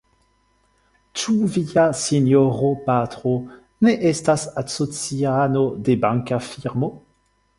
Ĉu via sinjoro patro ne estas asociano de banka firmo?